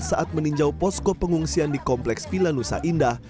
saat meninjau posko pengungsian di kompleks vila nusa indah